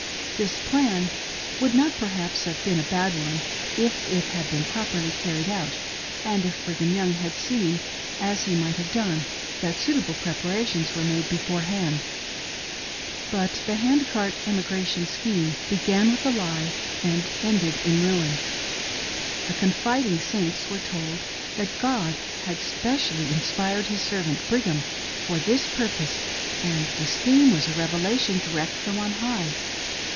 This "plan" would not perhaps have been a bad one if it had been properly carried out, and if Brigham Young had seen, as he might have done, that suitable preparations were made beforehand. But the Hand Cart Emigration Scheme began with a lie and ended in ruin. The confiding Saints were told that "God" had specially in spired His servant Brigham for this purpose, and the scheme was a revelation direct from on high.